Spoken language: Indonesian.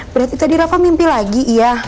berarti tadi rafa mimpi lagi ya